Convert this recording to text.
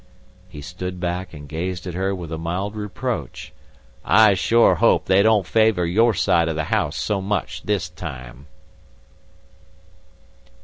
He stood back and gazed at her with mild reproach. "I shore hope they don't favor your side of the house so much this time."